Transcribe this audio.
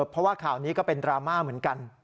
เพราะว่าข่าวนี้ก็เป็นดราม่าเหมือนกัน